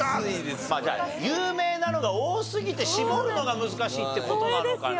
まあじゃあ有名なのが多すぎて絞るのが難しいっていう事なのかな